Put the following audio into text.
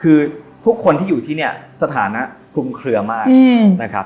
คือทุกคนที่อยู่ที่เนี่ยสถานะคลุมเคลือมากนะครับ